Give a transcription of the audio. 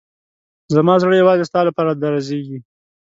زما زړه یوازې ستا لپاره درزېږي.